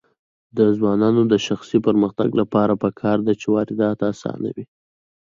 د ځوانانو د شخصي پرمختګ لپاره پکار ده چې واردات اسانوي.